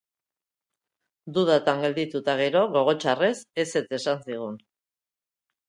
Dudatan gelditu, eta, gero, gogo txarrez, ezetz esan zigun.